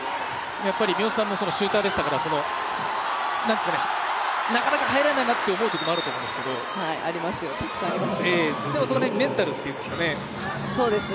三好さんもシューターでしたからなかなか入らないなと思うときもあったと思うんですけどその辺のメンタルというんですかね。